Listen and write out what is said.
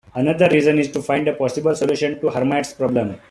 Another reason is to find a possible solution to Hermite's problem.